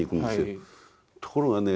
ところがね